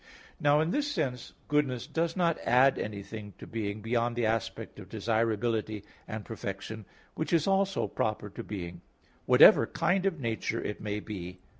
Now in this sense, goodness does not add anything to being beyond the aspect of desirability and perfection, which is also proper to being, whatever kind of nature it may be.